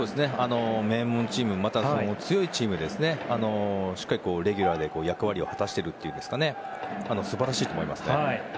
名門チーム強いチームでしっかりレギュラーで役割を果たしているのは素晴らしいと思いますね。